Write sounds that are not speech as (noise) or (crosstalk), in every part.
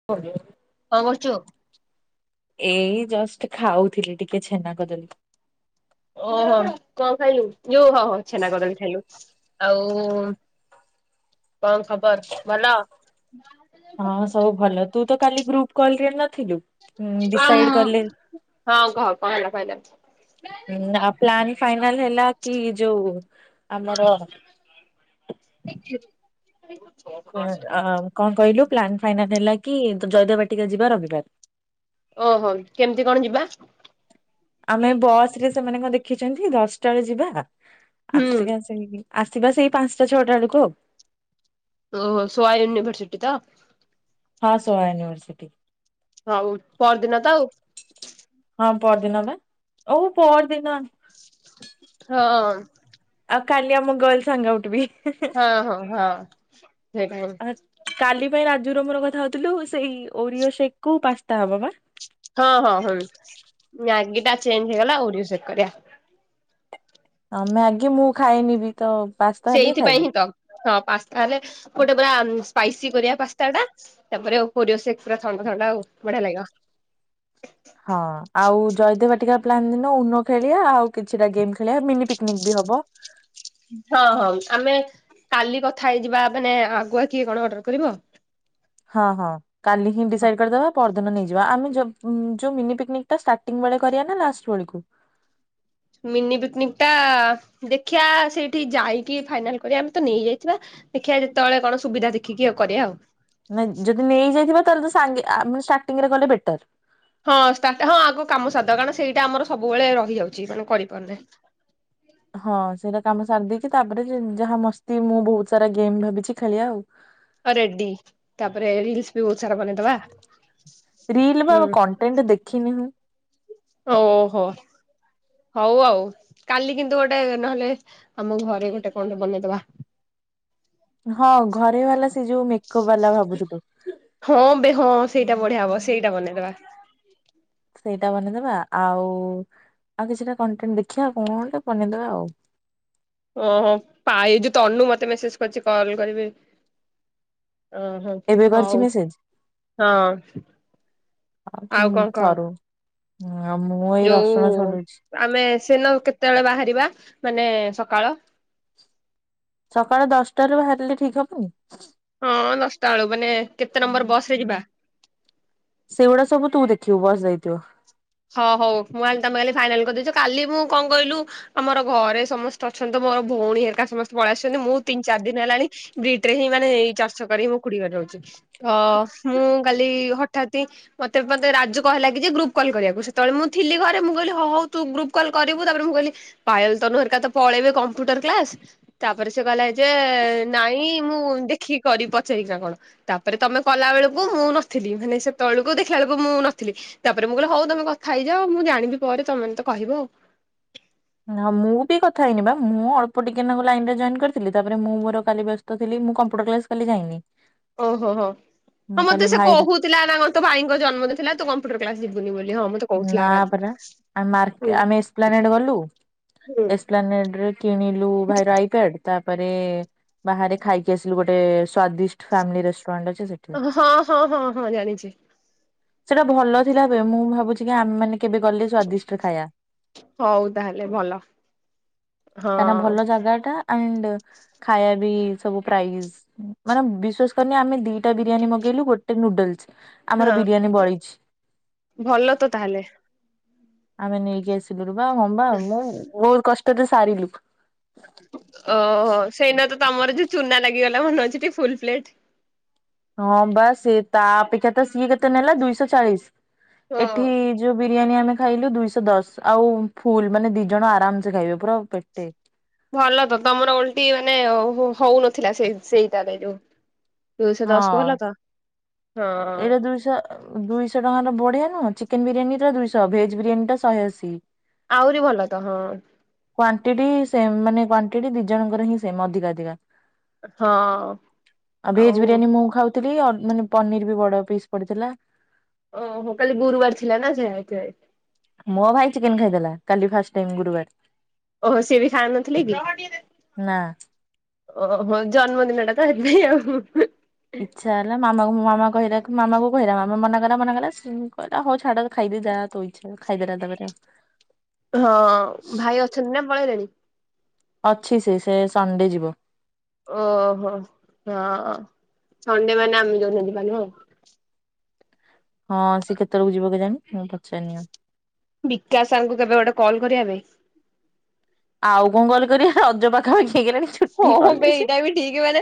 (unintelligible) କଣ କରୁଚୁ? ଏଇ ଜଷ୍ଟ ଖାଉଥିଲି ଟିକେ ଛେନା କଦଳୀ। ଓହୋ କଣ ଖାଇଲୁ ଯଉ ହଁ ହଁ ଛେନା କଦଳୀ ଖାଇଲୁ ଆଉ କଣ ଖବର ଭଲ? ହଁ ସବୁ ଭଲ ତୁ ତ କାଲି ଗ୍ରୁପ୍ କଲ୍ ରେ ନଥିଲୁ। ହୁଁ ଡିସାଇଡ କଲେ ହଁ କହ କଣ ହେଲା କହିଲା। ହଁ ଆଉ ପ୍ଲାନ୍ ଫାଇନାଲ ହେଲା କି ଯୋଉ ଆମର ଆ ଛ କଣ କହିଲୁ ପ୍ଲନ୍ ଫାଇନାଲ ହେଲା କି ଜୟଦେବାଟିକା ଯିବା ରବିବାର୍। ଓହୋ କେମିତି କଣ ଯିବା? ଆମେ ବସ୍ ରେ ସେମାନଙ୍କ ଦେଖିଛନ୍ତି ଦଶଟା ବେଳେ ଯିବା ହୁଁ ଆସିକି ସେ ଆସିବା ସେଇ ପାଞ୍ଚଟା ଛଅଟା ବେଳକୁ ଆଉ। ଓହୋ ସୋହାୟୁନିଭର୍ସିଟି ତ। ହଁ ସୋହଳାୟୁନର୍ସିଟି। ହଉ ପହ ଦିନ ତ ଆଉ। ହଁ ପହଦିନ ବା ଓ ପହଦିନ। ହଁ। ଆଉ କାଲି ଆମ ଗର୍ଲ ସାଙ୍ଗ ଉଠିବି। ହଁ ହଁ ହଁ ସେଟା। ଆ କାଲି ପାଇଁ ରାଜୁର ମୋର କଥା ହଉଥିଲୁ ସେଇ ଓରିଓ ସେଖ କୁ ପାସ୍ତା ହବା ବା। ହଁ ହଁ ହଁ ମଗି ଟା ଚେଞ୍ଜ ହେଇଗଲା ଓଡି ସେ କରିବା। ହ ମ୍ୟାଗି ମୁଁ ଖାଇନିବି ତ ପାସ୍ତା ହେଲେ ସେଇଥିପାଇଁ ଖାଇବି। ହିଁ ତ ହଁ ପାସ୍ତା ହେଲେ ଗୋଟେ ପୁରା ସ୍ପାଇସି କରିବା ପାସ୍ତା ଟା ତାପରେ ପରିବ ସେ ପୁରା ଥଣ୍ଡା ଥଣ୍ଡା ଆଉ ବଢିଆ ଲାଗିବ। (inaudible) (inaudible) ହଁ ଆଉ ଜୟଦେବା ଟିକା ପ୍ଲାନ ଦିନ ଉନ ଖେଳିବା ଆଉ କିଛିଟା ଗେମ୍ ଖେଳିବା ମିନି ପିକନିକ ବି ହବ। ହଁ ହଁ ଆମେ କାଲି କଥା ହେଇଯିବା ମାନେ ଆଗୁଆ କିଏ କଣ ଅର୍ଡର କରିବ। ହଁ ହଁ। କାଲି ହିଁ ଡିସାଇଡ କରିଦବା ପରଦିନ ନେଇଯିବା ଆମେ ଯୋଉ ମିନି ପିକା ଷ୍ଟାର୍ ବେଳେ କରିବା ଲାଷ୍ଟ ବେଳକୁ। ମିନି ପିକନିକ ଟା ଦେଖିବା ସେଇଠି ଯାଇକି ଫାଇନାଲ କରିବା ଆମେ ତ ନେଇଯାଇଥିବା। ଦେଖିବା ଯେତେବେଳେ କଣ ସୁବିଧା ଦେଖିକି ଆଉ କରିବା ଆଉ ନାଇ ଯଦି ନେଇଯାଇଥଥିବା ତାହେଲେ ସାଙ୍ଗେ ଆ ଷ୍ଟାର୍ଟିଂ ରେ ଗଲେ ବେଟର। ହଁ ହଁ ଆଗ କାମ ସାଧ କାରଣ ସେଇଟା ଆମର ସବୁବେଳେ ରହିଯାଉଛି ମାନେ କରିପାରୁନାହିଁ। ହଁ ସେଇଟା କାମ ସାରି ଦେଇେଇକି ତାପରେ ଯାହା ମସ୍ତି ମୁଁ ବହୁତ ସାରା ଗେମ୍ ଭାବିଛି ଖେଳିବା ଆଉ ରେଡଡି ତାପରେ ରିଲସ ବି ବହୁତ ସାରା ବନେଇଦବା। ରିଲ୍ ବା ହୁଁ କଣ୍ଟେଣ୍ଟ ଦେଖିନି। ଓହୋ ହଉ ଆଉ କାଲି କିନ୍ତୁ ଗୋଟେ ନହେଲେ ଆମ ଘରେ ଗୋଟେ କଣ ବନେଇଦବା? ହଁ ଘରେ ବାଲା ସେ ଯୋଉ ମେକଅପ୍ ବାଲା ଭାବୁଛୁ ତ ହଁ ବେ ହଁ ସେଇଟା ବଢିଆ ହବ ସେଇଟା ବନେଇଦବା। ସେଇଟା ବନେଇଦବା ଆଉ ଆଉ କିଛିଟା କଣ୍ଟେଣ୍ଟ ଦେଖିବା କଣ ବନେଇଦବା ଆଉ ଓହୋ ପା ଏ ଯୋଉ ତନୁ ମତେ ମେସେଜ କରିଛି କଲ କରିବି ଓ ହ ଏବେ କରିଛି ହଉ ମେସେଜ ହଁ ହୁଁ ଆଉ କଣ କହ? ସରୁ ହଁ ଆଉ ମୁଁ ଏଇ ଯୋଉ ରସୁଣ ଛାଡ଼ଉଛି। ଆମେ ସେନ କେତେବେଳେ ବାହାରିବା ମାନେ ସକାଳ। ସକାଳ ଦଶଟା ରୁ ବାହାରିଲେ ଠିକ ହବ ଆଉ ହଁ ଦଶଟା ବେଳୁ ମାନେ କେତେ ନମ୍ବର ବସ ରେ ଯିବା। ସେଇଗୁଡା ସବୁ ତୁ ଦେଖିବୁ ବସ ଦେଇଥିବ। ହଁ ହଉ ମୁଁ କହଲି ତମେ କାଲି ଫାଇନାଲ କରିଦେଇଛ କାଲି ମୁଁ କଣ କହିଲୁ? ଆମର ଘରେ ସମସ୍ତେ ଅଛନ୍ତି ମୋର ଭଉଣୀ ହେରିକା ସମସ୍ତେ। ପଳେଇ ଆସୁଛନ୍ତି ମୁଁ ତିନି ଚାରି ଦିନ ହେଲାଣି ବ୍ରିଟ ରେ ହିଁ ମାନେ ଚାଷ କରି ମୁଁ ଖୁଡିବ ରହୁଛି ତ ମୁଁ କାଲି ହଠାତ୍ ମତେ ରାଜୁ କହ ଲାଗି ଯେ ଗ୍ରୁପ କଲ କରିବାକୁ। ସେତେବେଳେ ମୁଁ ଥିଲି ଘରେ ମୁଁ କହିଲି ହଉ ହଉ ତୁ ଗ୍ରୁପ କଲ କରିବୁ ତାପରେ ମୁଁ କହିଲି ପାହଲ ତରା ତ ପଳେଇବେ କମ୍ପ୍ୟୁଟର କ୍ଲାସ ତାପରେ ସେ କ ଯେ ନାଇଁ ମୁଁ ଦେଖିକି କରିି ପଚାରିକିନା କଣ? ତାପରେ ତମେ କଲା ବେଳକୁ ମୁଁ ନଥିଲି ମାନେ ସେତେବେଳକୁ ଦେଖିଲ ବଳକୁ ମୁଁ ନଥିଲି ତାପରେ ମୁଁ କହିଲି ହଉ ତମେ କଥା ହେଇଯାଅ ମୁଁ ଜାଣିବି ପରେ ତମେ ତ କହିବ ଆଉ। ହଁ ମୁଁ ବି କଥା ହେଇନ ବା ମୁଁ ଅଳ୍ପ ଟିକେ ଲାଇନ ରେ ଜଏନ କରିଥିଲି ତାପରେ ମୁଁ ମୋର କାଲି ଥିଲ ମୁଁ କମ୍ପୁଟର କ୍ଲାସ କାଲି ଯାଇନି। ଓହୋ ହୋ ମୁଁ ହଉ କାଲି ମତେ ସେ ଭାଇର କହୁ ଥିଲା ନାର ତ ଭାଇଙ୍କ ଜନ୍ମଦିନଥିଲା ତ କମ୍ପୁଟର କ୍ଲାସ ଯିବୁନି ବୋଲି ହଁ ମୁ ନା ପରା ଆମେ ଏକସେପ୍ଲାଣ୍ଟ ଗଲୁ। ହୁଁ ଏସପ୍ଲାନେଡ ରେ କିଣିଲୁ ଭାଇର ଆଇକାଡ। ତାପରେ ବାହାରେ ଖାଇକି ଆସିଲୁ ଗୋଟେ ସ୍ଵାଦିଷ୍ଟ ଫାମିଲି ରେଷ୍ଟୁରାଣ୍ଟ ଅ ସେଠି। ହଁ ହଁ ହଁ ହଁ ଜାଣିଛି। ସେଟା ଭଲ ଥିଲା ଏବେ ମୁଁ ଭାବୁଛି କି ଆମେ ମାନେ କେବେ ଗଲେ ସ୍ଵାଦିଷ୍ଟ ଖାଇବା। ହଉ ତାହେଲେ ଭଲ। ହଁ କାହିଁକିନା ଭଲ ଜାଗା ଟା ଆ ଖାଇବା ବି ସବୁ ପ୍ରାଇଜ। ମାନେ ବିଶ୍ଵାସ କରିନି ଆମେ ଦିଟା ବିରିୟାନୀ ମଗେଇଲୁ ଗୋଟେ ନୁଡଲସ। ଆମର ହଁ ବିରିୟାନୀ ବଳିଛି। ଭଲ ତ ତାହେଲେ ଆମେ ନେଇକି ଆସିଲୁ ରୁ ବା ମମ୍ବା ମୁଁ ବହୁତ କଷ୍ଟରେ ସାରିଲୁ। ଓହୋ ସେଇନା ତ ତମର ଯୋଉ ଚୁନା ଲାଗିଗଲା ମନେଉଛି ଟିକେ ଫୁଲ ପ୍ଲେଟ। ହଁ ବାସ ତା ଅପେକ୍ଷା ତ ସିଏ କେତେ ନେଲା ଦୁଇଶହ ଚାଳିଶ ଏଠି ହଁ ଯୋଉ ବିରିୟାନୀ ଆମେ ଖାଇଲୁ ଦୁଇଶହ ଦଶ ଆଉ ଫୁଲ ମାନେ ଦି ଜଣ ଆରାମ ସେ ଖାଇବେ ପୁରା ପେଟେ। ଭଲ ତ ତମର ଓଲଟି ମାନେ ହଉନଥିଲା ସେ ସେଇଟାରେ ଯୋଉ। ଦୁଇଶହ ହଁ ଦଶ କୁ ଭଲ ତ ହଁ। ଏଇଟା ଦୁଇଶହ ଦୁଇଶହ ଟଙ୍କାର ବଢିଆ ନୁହଁ ଚିକେନ ବିରିୟାନୀ ଟା ଦୁଇଶହ ଭେଜ ବିରିୟାନୀଟା ଶହେଅସି। ଆହୁରି ଭଲ ତ ହଁ। କ୍ୱଵଣ୍ଟି ସେମ ମାନେ କ୍ୱାଣ୍ଟି ଦି ଜଣଙ୍କର ହିଁ ସେମ ଅଧିକା ଅଧିକା। ହଁ ଭେଜ ଆଉ। ବିରିୟାନୀ ମୁଁ ଖାଉଥିଲି ମାନେ ପନିର ବି ବଡ ପିସ୍ ପଡିଥିଲା। ଓ ହୋ କାଲି ଗୁରୁବାର ଥିଲା ନା ସେ ମୋ ଭାଇ ଚିକେନ ଖାଇଦେଲା କାଲି ଫାଷ୍ଟ ଟାଇ ଗୁରୁବାର। ଓହୋ ସେ ବି ଖାଉ ନଥିଲେ କି? ନା। ଓହୋ ଜନ୍ମଦିନଟା ସେଥିପାଇଁ ଆଉ। ଇଚ୍ଛା ହେଲା ମାମା ମଁ ମାମା କହିଲେ ମାମା କହିଲା ମାମା ମନା କଲା ମନା କଲା ସେ କହିଲା ହଉ ଛାଡ। ଖାଇଦେ ଯା କହୁଛ ଖାଇଦେଲା ତା ପରେ। ହଁ ଭାଇ ଅଛନ୍ତି ନା ପଳେଇଲେଣି? ଅଛି ସେ ସେ ସଣ୍ଡେ ଯିବ। ଓହୋ ହଁ ସଣ୍ଡେ ମାନେ ଆମେ ଯଉଛନ୍ତି ମାନେ ହ ହଁ ସିଏ କେତେବେଳକୁ ଯିବ କେ ଜାଣି ମୁଁ ପଚାରିନି ଆଉ। ବିକାଶ ସାରଙ୍କୁ କେବେ ଗୋଟେ କଲ୍ କରିବାବେ। ଆଉ କଣ କଲ କରି ରଜ ପାଖାପାଖି ହେଇଗଲାଣି। ଛୁଟି ହଁ ବେ କଲେଜ। ଏଇଟା ବି ଠିକ ମାନେ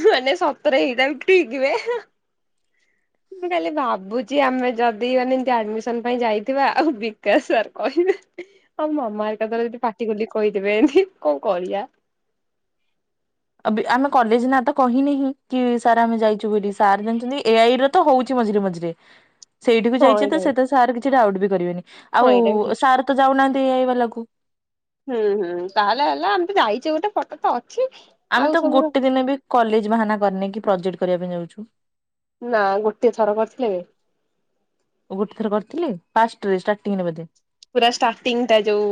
ମାନେ ସତରେ ଏଇଟା ବି ଠିକବେ। ମୁଁ ଖାଲି ଭାବୁଛି ଆମେ ଯଦି ମାନେ ଏମତି ଆଡମିସନ ପାଇଁ ଯାଇଥିବା ଆଉ ବିକାଶ ସାର କହିବେ। ଆଉ ମାମାହରିକା ଯଦି ପାଟି ଗଲି କହିଦେବେ ଏମିତି କଣ କରିବା? ଆମେ କଲେଜ ନା ତ କହିନିଁ କି ସାର୍ ଆମେ ଯାଇଛୁ ବୋଲି ସାର୍ ଜାଣିଛନ୍ତି ଏଆଇର। ତ ହଉଛିି ମଝିରେ ମଝିରେ। ସେଇଠିକୁ ହଁ ଯାଇଛି ତ ଏଇଟା ବି ସେ ତ ସାର୍ କିଛି ଡାଉଟ ବି କରିବେନି ହଁ ଆଉ ଏଇଟା ବି ଠିକ ସାର୍ ତ ଯାଉନାହାନ୍ତି ଏଇଆଇବାଲାକୁ। ହୁଁ ହୁଁ ତାହେଲେ ହେଲା ଆମେ ତ ଯାଇଛେ ଗୋଟେ ଫଟୋ ତ ଅଛି। ଆମେ ଆଉ ତ ସବୁର ଗୋଟେ ଦିନ ବି କଲେଜ ବାହାନା କରିନକି ପ୍ରୋଜେକ୍ଟ କରିବା ପାଇଁ ଯାଉଛୁ। ନା ଗୋଟିଏ ଥର କରିଥିଲେ ବେ। ଗୋଟେ ଥର କରିଥିଲେ ଫାଷ୍ଟରେ ଷ୍ଟାରଟିଙ୍ଗ ରେ ବୋଧେ। ପୁରା ଷ୍ଟାର୍ଟିଂଟା ଯୋଉ।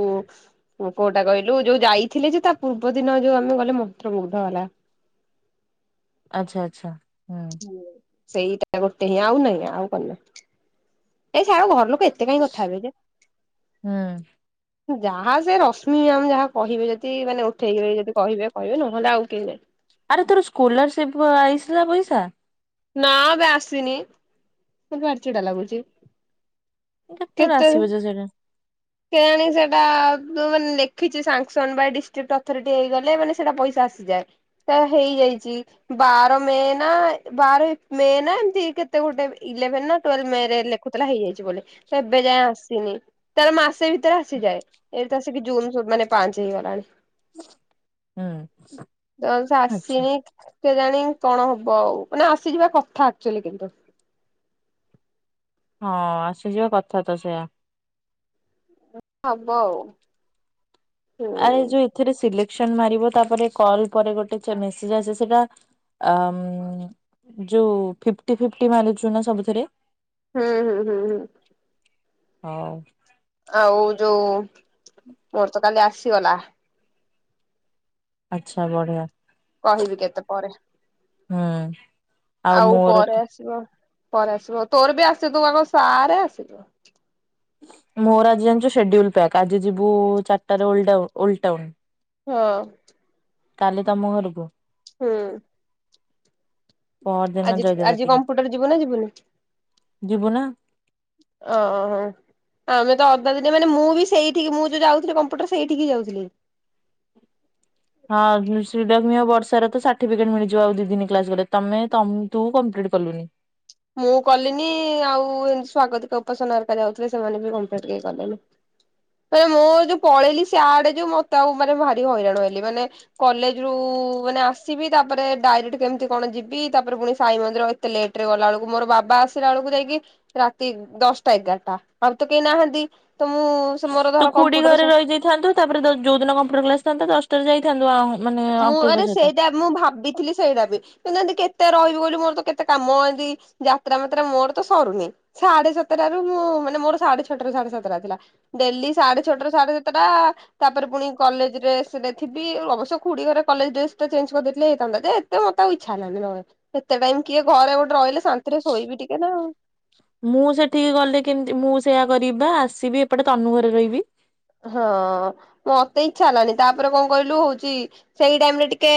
ମୁଁ କୋଉଟା କହିଲୁ ଯୋଉ ଯାଇଥିଲେ ଯେ ତା ପୂର୍ବ ଦିନ ଯୋଉ ଆମେ ଗଲେ ମନ୍ତ୍ରମୁଗ୍ଧ ହେଲା। ଆଚ୍ଛା ଆଚ୍ଛା। ହୁଁ ସେଇଟା ଗୋଟେ ହିଁ ଆଉ ନାହିଁ ଆଉ କ ଏାଇ ସିଆଡ ଘର ଲୋକ ଏତେ କାହିଁ କଥା ହେବେ ଯେ। ହୁଁ। ଯାହା ସେ ରଶ୍ମିମ ଯାହା କହିବେ ଯଦି ମାନେ ଉଠେଇକି ର ଯଦି କହିବେ କହିବେ ନହେଲେ ଆଉ କେହି ଆରେ ତୋର ସ୍କଲରସିପ ଆଇସିଲା ପଇସା? ନା ବେ ଆସିନି ଭରି ଚିଡା ଲାଗୁଛି। କେତେବେଳେ କେତେ ଆସିବ ଯେ ସେଇଟା? କେଜାଣି ସେଟା ତ ମାନେ ଲେଖିଛି ସାଙ୍ସନ ବା ଏ ଡିଷ୍ଟ୍ରିକଟ ଅଥରିଟି ହେଇଗଲେ ମାନେ ସେଟା ପଇସା ଆସିଯାଏ। ତ ହେଇଯାଇଛି ବାର ମେ ନା ବାର ମେ ନା ଏମତି କେତେ ଗୋଟେ ଇଲେଭେନ ନା ଟୁଏଲଭେ ମେ ରେ ଲେଖୁଥିଲା ହେଇଯାଇଛି ବୋଲି ତ ଏବେ ଯାଏଁ ଆସିନି। ତାର ମାସେ ଭିତରେ ଆସିଯାଏ, ଏଇ ତ ଆସିକି ଜୁନ ମାନେ ପାଞ୍ଚ ହେଇଗଲାଣି। ହୁଁ ଜ ସେ ଆଚ୍ଛା। ଆସିନି। କେଜାଣି କଣ ହବ ଆଉ ମାନେ ଆସିଯିବା କଥା ଆକ୍ଚୁଲି କିନ୍ତୁ। ହଁ ଆସିଯିବା କଥା ତ ସେଇୟା। ହବ ଆଉ ଆରେ ଯୋଉ ହୁଁ ଏଥିରେ ସିଲେକ୍ସନ ମାରିବ ତାପରେ କଲ ପରେ ଗୋଟେ ମେସେଜ ଆେ ସେଟା ଆ ଯୋଉ ଫିପ୍ଟି ଫପ୍ଟି ମାରଛୁ ନା ସବୁଥିରେ? ହୁଁ ହୁଁ ହୁଁ ହୁଁ ହଉ। ଆଉ ଯୋଉ ମୋର ତ କାଲି ଆସିଗଲା। ଆଛା ବଢ଼ିଆ କହିବି କେତେ ପରେ। ହଁ। ଆଉ ପରେ ଆସିବ ପରେ ଆସିବ ତୋର ବି ଆସିବ ତୁ ଆଗ ସାରେ ଆସିବ। ମୋର ଆଜି ଜାଣିଛୁ ସେଡ୍ୟୁଲ ପ୍ୟାକ୍ ଆଜି ଯିବୁ ଚାରିଟାରେ ଓଲଟାଡାଉନ୍ ଓଲଟାଉନ୍। ହଁ। କାଲି ତମ ଘରକୁ ହୁଁ। ପହରଦିନ ଆଜି ଜୟଦେବ ଆଜି ବାଟିକା କମ୍ପ୍ୟୁଟର ଯିବୁ ନା ଯିବୁନି? ଯିବୁ ନା? ଓ ଓ ହୋ। ଆମେ ତ ଅଧା ଦିନେ ମାନେ ମୁଁ ବି ସେଇଠିକି ମୁଁ ଯୋଉ ଯାଉଥିଲ କମ୍ପ୍ୟୁଟର ସେଇଠିକି ଯାଉଥିଲି। ହଁ (unintelligible) ବର୍ଷାର ତ ସାର୍ଟିଫିକେଟ ମିଳିଯିବ ଆଉ ଦି ଦିନି କ୍ଲାସ ଗଲେ ତମେ ତୁ କମ୍ପ୍ଲିଟ୍ କଲୁନି ମୁଁ କଲିନି ଆଉ ଏମତି ସ୍ଵାଗତିକ ଉପାସନା ଘରିକା ଯାଉଥିଲେ ସେମାନେ ବି କମ୍ପଲିଟ କେହି କଲେନି। ମାନେ ମୁଁ ଯୋଉ ପଳେଇଲି ସେଆଡେ ଯୋଉ ମତେ ଆଉ ମାନେ ଭାରି ହଇରାଣ ହେଲି ମାନେ କଲେଜ ରୁ ମାନେ ଆସିବି ତାପରେ ଡାଇରେକ୍ଟ କେମିତି କଣ ଯିବି ତାପରେ ପୁଣି ସାଇ ମନ୍ଦିର ତେ ଲେଟ ରେ ଗଲା ବେଳକୁ ମୋର ବା ଆସିଲା ବେଳକୁ ଯାଇକି ରାତି ଦଶଟା ଏଗାରଟା ଆଉ ତ କେହି ନାହାନ୍ତି ତ ମୁଁ ସେ ମୋର ଧର କମ୍ପୁଟର ଥାନ୍ତୁ ତାପରେ ଯୋଉ ଦିନ କମ୍ପ୍ୟୁଟର କ୍ଲାସ ଥାନ୍ତତା ଦଶଟାରେ ଯାଇଥାନ୍ତୁ ମାନେ ମୁଁ ଅଙ୍କଲଙ୍କ ଆରେ ସହିତ। ସେଇଟା ମୁଁ ଭାବିଥିଲି ସେଇଟା ବି। କିନ୍ତୁ ଏମତି କେତେ ରହିବି ବୋଲି ମୋର ତ କେତେ କାମ ହନ୍ତି ଯାତ୍ରା ମାତ୍ରା ମୋର ତ ସରୁନି। ସାଢେ ସାତଟରୁ ମୁଁ ମାନେ ମୋର ସାଢେ ଛଅଟାରୁ ସାଢେ ସାତଟା ଥିଲା। ଡେଲି ସାଢେ ଛଅଟାରୁ ସାଢେ ସାତଟା ତାପରେ ପୁଣି କଲେଜ ଡ୍ରେସ୍‌ରେ ଥିବି ଅବଶ୍ୟ କୁଡି ଘରେ କଲେଜ ଡ୍ରେସ ଟା ଚେନ୍ଜ କରିଦେଥିଲେ ହେଇନ୍ତା ଯେ ଏତେ ମତେ ଇଚ୍ଛା ହେଲାନି। ସେତେ ଟାଇମ କିଏ ଘରେ ଗୋଟେ ରହିଲେ ଶାନ୍ତିରେ ଶୋଇବି ଟିକେ ନାଉ। ମୁଁ ସେଠିକି ଗଲେ କେମିତି ମୁଁ ସେୟା କରିବିବା ଆସିବି ଏପଟେ ତନୁ ଘରେ ରହିବି। ହଁ ମୁଁ ମତେ ଇଚ୍ଛା ହେଲାନି ତାପରେ କଣ କହିଲୁ ହଉଛି ସେଇ ଟାଇମରେ ଟିକେ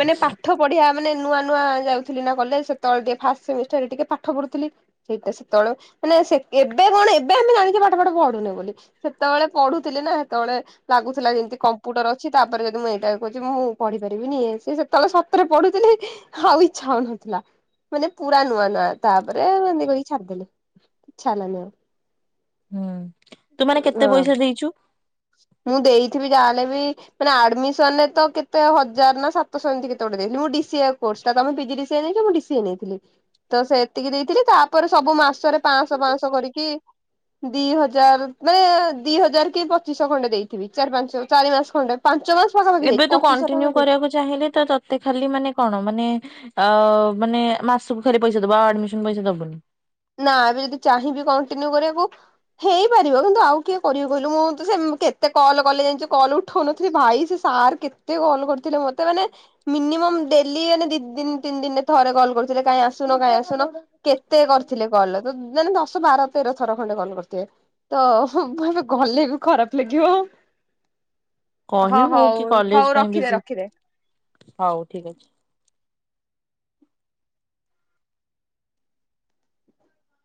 ମାନେ ପାଠ ପଢିଆ ମାନେ ନୂଆ ନୂଆ ଯାଉଥିଲି ନା କଲେଜ ସେତବେଳେ ଟିକେ ଫାଷ୍ଟ ସେମିଷ୍ଟର ରେ ଟିକେ ପାଠ ପଢୁଥିଲି। ସେଇଟା ସେତେବେଳେ ମାନେ ଏବେ କଣ ଏବେ ଆମେ ଜାଣିଛେ ପାଠ ପାଠ ପଢୁନୁ ବୋଲି ସେତେବେଳେ ପଢୁଥିଲି ନା ସେତେବେଳେ ଲାଗୁଥିଲା ଯେମତି କମ୍ପୁଟର ଅଛି ତାପରେ ଯଦି ମୁଁ ଏଇଟା କହୁଛି ମୁଁ ପଢି ପାରିବିନି ଇଏ ସେ ସେତେବେଳେ ସତରେ ପଢୁଥିଲି। ଆଉ ଇଛା ହଉନଥିଲା ମାନେ ପୁରା ନୂଆ ନୂଆ ତାପରେ ଏମିତ କରିକି ଛାଡିଦେଲି। ଇଚ୍ଛା ହେଲା ନି ଆଉ। ହୁଁ ତୁ ମାନେ ଆଉ। କେତେ ହଁ ପଇସା ଦେଇଚୁ? ମୁଁ ଦେଇଥିବି ଯାହାେଲେ ବି ମାନେ ଆଡମିସନ ରେ ତ କେତେ ହଜାର ନା ସାତଶହ ଏମିତି କେତେଗୋଟେ ଦେଇଥିଲ ମୁଁ ଡିସିଏ କୋର୍ଷ ଟା ତମେ ପ ଜି ଡି ସି ଏ ଦେଇଛ ମୁଁ ସିଏ ନେଇଥିଲି ତ ସେ ଏତିକି ଦେଇଥିଲି ତାପରେ ସବୁ ମାସରେ ପାଁଶ ପାଁଶ କରିକି ଦି ହଜାର ମାନେ ଦି ହଜାର କି ପଚିଶହ ଖଣ୍ଡେ ଦେଇଥିବି ଚାରି ପାଞ୍ଚ ଚାରି ମାସ ଖଣ୍ଡେ ପାଞ୍ଚ ମାସ ପାଖାପାଖି ଏବେ ଯାଇଛି ତୁ ପଚିଶହ ଟଙ୍କା କଣ୍ଟିନ୍ୟୁ ଦେଇଛି। କରିଆକୁ ଚାହିଁଲେ ତ ତତେ ଖାଲି ମାନେ କଣ ମାନେ? ଅ ମାନେ ମାସକୁ ଖାଲି ପଇସା ଦବ ଆଉ ଆଡମିସନ ପଇସା ଦବୁନି। ନା ଏବେ ଯଦି ଚାହିଁବି କଣ୍ଟିନ୍ୟୁ କରିଆକୁ। ହେଇପାରିବ କିନ୍ତୁ ଆଉ କିଏ କରିବି କହିଲୁ ମୁଁ ତ ସେ କେତେ କଲ୍ କଲେ ଜାଣିଛ କଲ୍ ଉଠଉନଥିଲି ଭାଇ ସେ ସାର୍ କେତେ କଲ୍ କରିଥିଲେ ମତେ ମାନେ ମିନିମମ୍ ଡେଲି ମାନେ ଦି ଦିନ ତିନି ଦିନରେ ଥରେ କଲ୍ କରୁଥିଲେ କାାଇଁ ଆସୁନ କାଇଁ ଆସୁନ। କେତେ କରିଥିଲେ କଲ ତ ମାନେ ଦଶ ବାର ତେର ଥର ଖଣ୍ଡେ କଲ୍ କରିିଥିବେ। ତ ମୁ ଏବେ ଗଲେ ବି ଖରାପ ଲାଗିବ। ହଁ କହିବୁ ହଉ କି କଲେଜ ହଉ ପାଇଁ ବି ରଖିଦେ ରଖିଦେ। ହଉ ଠିକ ଅଛି।